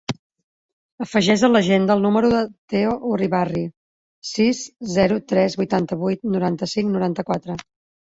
Afegeix a l'agenda el número del Theo Uribarri: sis, zero, tres, vuitanta-vuit, noranta-cinc, noranta-quatre.